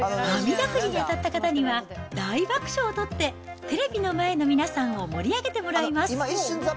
あみだくじに当たった方には大爆笑を取って、テレビの前の皆さんを盛り上げてもらいます。